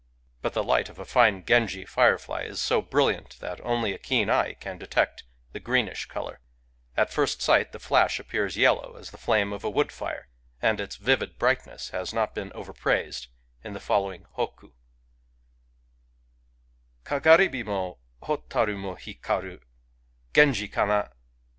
But the light of a fine Genji firefly is so brilliant that only a keen eye can detect the greenish colour : at first sight the flash appears yellow as the flame of a wood fire, and its vivid brightness has not been overpraised in the following bokku :— Kagaribi mo Hotaru mo hikaru — Genji kana